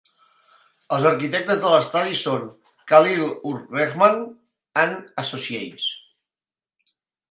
Els arquitectes de l'estadi són Khalil-ur-Rehman and Associates.